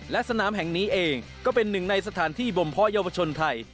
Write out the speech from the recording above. และสนามแห่งนี้เองก็เป็นหนึ่งในสถานที่บมเพาะเยาวชนไทย